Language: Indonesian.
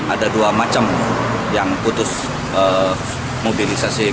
ada dua macam yang putus mobilisasi